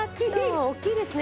大きいですね。